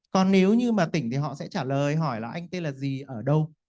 còn nếu như mà tỉnh thì họ sẽ trả lời hỏi là anh tên là gì ở đâu